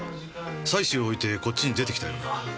妻子を置いてこっちに出てきたようだ。